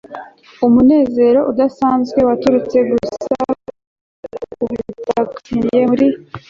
umunezero udasanzwe waturutse gusa kubutaka buto yari yatsindiye muri